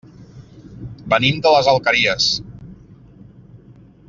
Venim de les Alqueries.